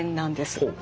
ほう。